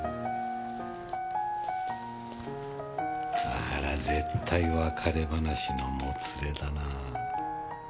あれは絶対別れ話のもつれだな。